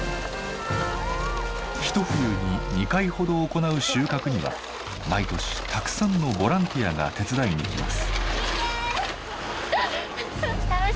ひと冬に２回ほど行う収穫には毎年たくさんのボランティアが手伝いにきます。